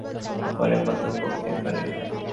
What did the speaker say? আরাকানের সৈন্য কতক নদীর ওপারে কতক এপারে।